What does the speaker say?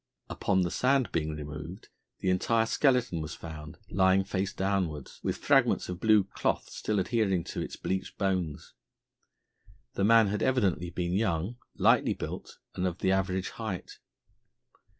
Upon the sand being removed, the entire skeleton was found, lying face downwards, with fragments of blue cloth still adhering to its bleached bones. The man had evidently been young, lightly built, and of the average height.